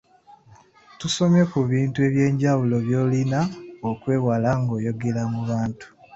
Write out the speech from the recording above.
Tusomye ku bintu eby’enjawulo by’olina okwewala ng’oyogera mu bantu.